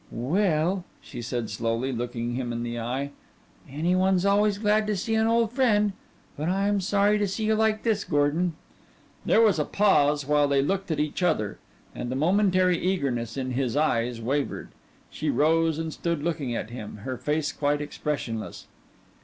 "Well," she said slowly, looking him in the eye, "any one's always glad to see an old friend but I'm sorry to see you like this, Gordon." There was a pause while they looked at each other, and the momentary eagerness in his eyes wavered. She rose and stood looking at him, her face quite expressionless.